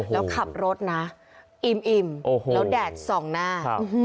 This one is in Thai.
แล้วขับรถนะอิ่มแล้วแดดส่องหน้า